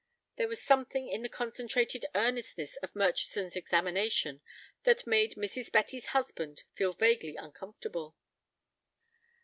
There was something in the concentrated earnestness of Murchison's examination that made Mrs. Betty's husband feel vaguely uncomfortable.